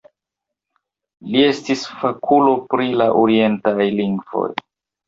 Li estis fakulo pri la orientaj lingvoj.